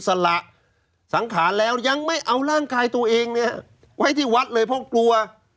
สละสังขารแล้วยังไม่เอาร่างกายตัวเองเนี่ยไว้ที่วัดเลยเพราะกลัว